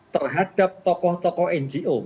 terhadap tokoh tokoh ngo